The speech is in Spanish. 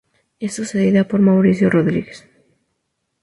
Es sucedida por Mauricio Rodríguez.